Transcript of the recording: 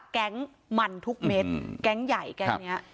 แก๊งมันทุกเม็ดแก๊งใหญ่แก๊งนี้